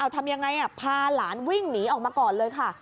ทำยังไงพาหลานวิ่งหนีออกมาก่อนเลยค่ะ